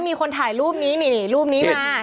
มีคนถ่ายรูปนี้นี่รูปนี้มา